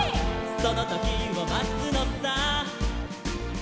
「そのときをまつのさ」